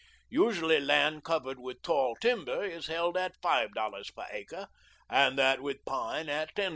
Usually land covered with tall timber is held at $5.00 per acre, and that with pine at $10.